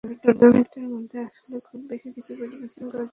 তবে টুর্নামেন্টের মধ্যে আসলে খুব বেশি কিছু পরিবর্তন করা যায় না।